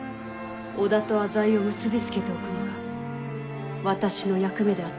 織田と浅井を結び付けておくのが私の役目であったのに。